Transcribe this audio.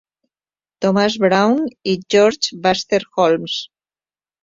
Thomas Brown i George Baxter Holmes.